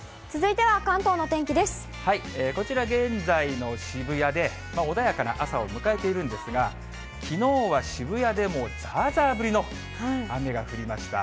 こちら、現在の渋谷で、穏やかな朝を迎えているんですが、きのうは渋谷でもざーざー降りの雨が降りました。